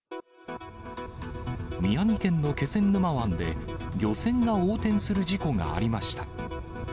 宮城県の気仙沼湾で、漁船が横転する事故がありました。